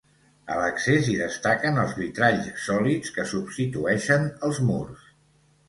A l'accés hi destaquen els vitralls sòlids que substitueixen els murs.